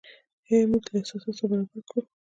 یا یې زموږ له احساساتو سره برابر کړو.